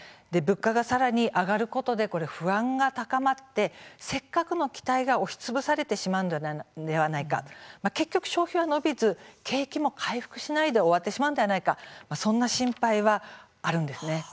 物価がさらに上がることで不安が高まってせっかくの期待が押しつぶされてしまうのではないか結局、消費は伸びず景気も回復しないで終わってしまうのではないかそんな心配があるんです。